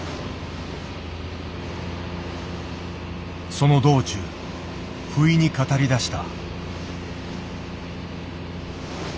その道中不意に語りだした。